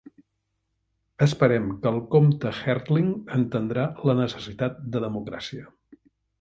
Esperem que el comte Hertling entendrà la necessitat de democràcia.